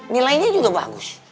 nilainya juga bagus